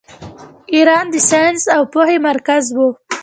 ایران د ساینس او پوهې مرکز و.